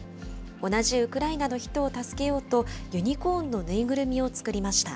同じウクライナの人を助けようと、ユニコーンの縫いぐるみを作りました。